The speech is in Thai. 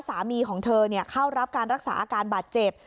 สามีของเธอเข้ารับการรักษาอาการบาดเจ็บ